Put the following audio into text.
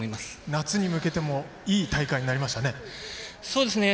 夏に向けてもいい大会になりましたね。